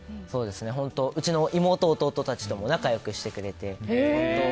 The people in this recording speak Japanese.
本当に、うちの妹、弟たちとも仲良くしてくれて。